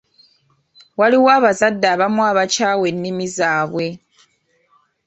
Waliwo abazadde abamu abakyawa ennimi zaabwe.